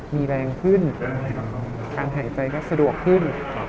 มีแรงขึ้นการหายใจก็สะดวกขึ้น